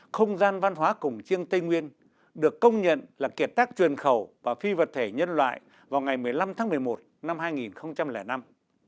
không gian văn hóa cổng chiêng tây nguyên được công nhận là kiệt tác truyền khẩu và phi vật thể nhân loại vào ngày một mươi năm tháng một mươi một năm hai nghìn năm